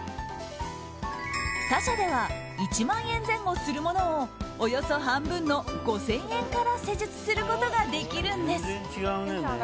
他社では１万円前後するものをおよそ半分の５０００円から施術することができるんです。